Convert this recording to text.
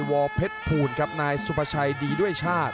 มาช่องที่นี่๓ครั้งครับแพ้๒ครั้งครับ